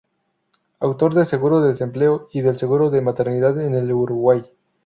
Autor del Seguro de Desempleo y del Seguro de Maternidad en el Uruguay.